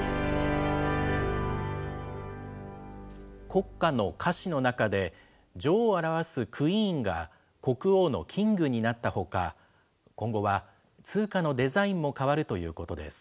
国歌の歌詞の中で、女王を表すクイーンが国王のキングになったほか、今後は、通貨のデザインも変わるということです。